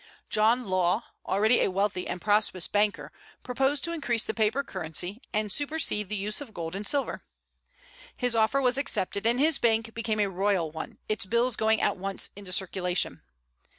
John Law, already a wealthy and prosperous banker, proposed to increase the paper currency, and supersede the use of gold and silver. His offer was accepted, and his bank became a royal one, its bills going at once into circulation.